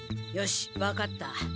よし分かった。